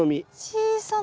小さな。